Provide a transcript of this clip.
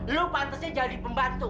lu pantasnya jadi pembantu